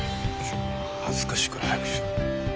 恥ずかしいから早くしろ。